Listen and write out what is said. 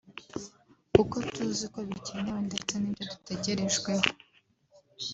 kuko tuzi ko bikenewe ndetse n’ibyo dutegerejweho